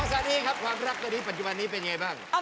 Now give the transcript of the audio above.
น้องซานี่ครับความรักปัจจุบันนี้ร่วมเป็นไงบ้าง